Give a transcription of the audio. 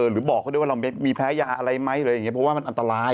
หรือบอกเขาด้วยว่าเรามีแพ้ยาอะไรไหมหรืออะไรอย่างนี้เพราะว่ามันอันตราย